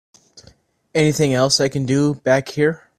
Anything I can do back here?